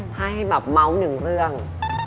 ถ้าให้แบบเมาส์หนึ่งเรื่อง